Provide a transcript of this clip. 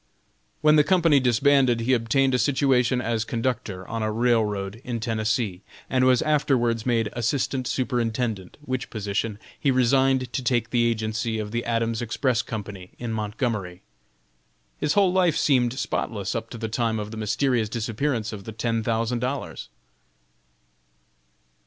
When the company disbanded he obtained a situation as conductor on a railroad in Tennessee, and was afterwards made Assistant Superintendent, which position he resigned to take the agency of the Adams Express Company, in Montgomery. His whole life seemed spotless up to the time of the mysterious disappearance of the ten thousand dollars.